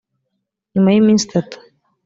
nyuma y iminsi itatu